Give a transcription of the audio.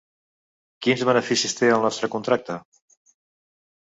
Quins beneficis té el nostre contracte?